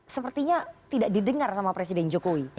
sepertinya tidak didengar sama presiden jokowi